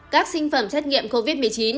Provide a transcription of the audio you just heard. các sinh phẩm xét nghiệm covid một mươi chín